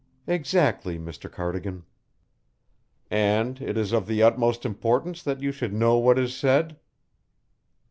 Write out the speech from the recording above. "Exactly, Mr. Cardigan." "And it is of the utmost importance that you should know what is said?"